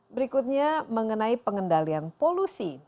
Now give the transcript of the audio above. berikutnya mengenai pengendalian polusi